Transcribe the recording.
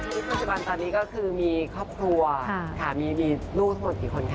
ปัจจุบันตอนนี้ก็คือมีครอบครัวค่ะมีลูกทั้งหมดกี่คนคะ